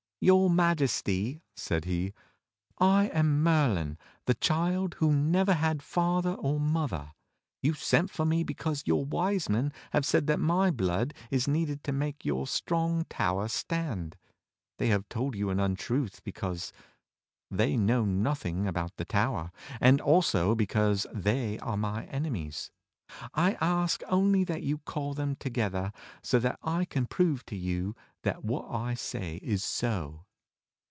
"Your Majesty," said he, "I am Merlin, the child who never had father or mother. You sent for me because your Wise Men have said that my blood is needed to make your strong tower stand. They have told you an untruth because they know nothing about the tower. 8 THE STORY OF KING ARTHUR and also because they are my enemies. I ask only that you call them together so that I can prove to you that what I say is so."